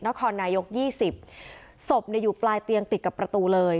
นครนายกยี่สิบศพเนี่ยอยู่ปลายเตียงติดกับประตูเลย